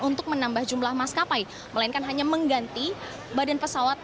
untuk menambah jumlah maskapai melainkan hanya mengganti badan pesawat